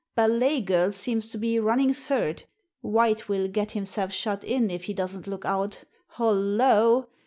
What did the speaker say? Ballet Girl seems to be running third. White will get himself shut in if he doesn't look out Hollo!